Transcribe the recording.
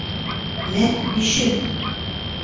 «МӘ, БИШЕМ!»